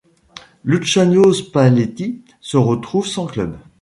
Luciano Spalletti se retrouve sans club.